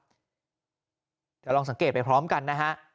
เดี๋ยวลองสังเกตไปพร้อมกันนะฮะ